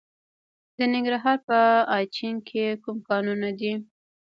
د ننګرهار په اچین کې کوم کانونه دي؟